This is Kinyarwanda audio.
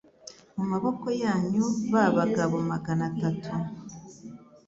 maboko yanyu Ba bagabo magana atatu